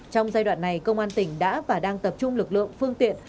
trong giai đoạn này công an tỉnh đã và đang tập trung lực lượng phương tiện